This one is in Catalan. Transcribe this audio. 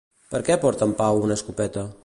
Per què porta en Pau una escopeta?